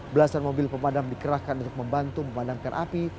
belasan mobil pemadam dikerahkan untuk membantu memadamkan api